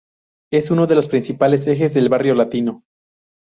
Es uno de los principales ejes del barrio latino.